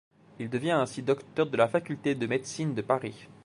Il devient ainsi docteur de la Faculté de médecine de Paris.